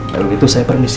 lalu itu saya permisi